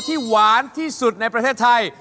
หวานที่สุดในประเทศไทย